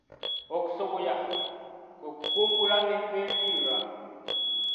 Okusoboya kwe kukungula enva endiirwa.